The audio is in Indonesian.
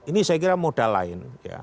ini saya kira modal lain